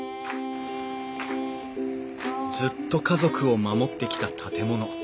ずっと家族を守ってきた建物。